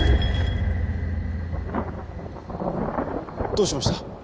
どうしました？